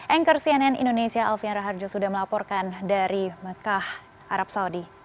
anchor cnn indonesia alfian raharjo sudah melaporkan dari mekah arab saudi